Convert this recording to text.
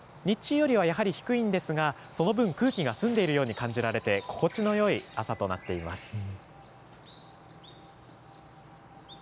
日中よりはやはり低いんですが、その分、空気が澄んでいるように感じられて、心地のよい朝となっています。